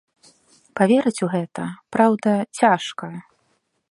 Паверыць у гэта, праўда, цяжка.